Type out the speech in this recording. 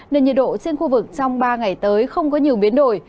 nên nhiệt độ trên khu vực trong ba ngày tới không có nhiều biến đổi